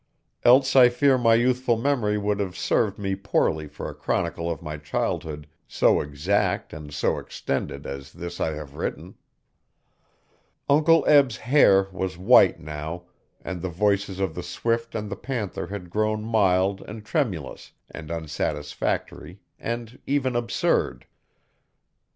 Else I fear my youthful memory would have served me poorly for a chronicle of my childhood so exact and so extended as this I have written. Uncle Eb's hair was white now and the voices of the swift and the panther had grown mild and tremulous and unsatisfactory and even absurd.